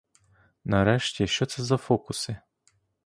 Нарешті, що це за фокуси?